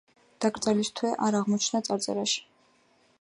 დაკრძალვის თვე არ აღმოჩნდა წარწერაში.